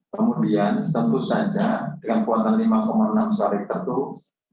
kemudian tentu saja dengan kuatan lima enam saling tertutup